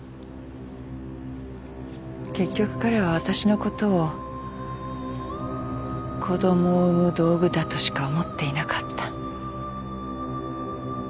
結局彼は私のことを子供を産む道具だとしか思っていなかった。